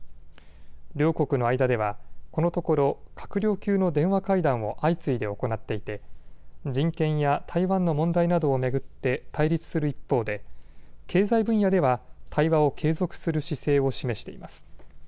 両国の間ではこのところ閣僚級の電話会談を相次いで行っていて人権や台湾の問題などを巡って対立する一方で経済分野では対話を継続する姿勢を示しています。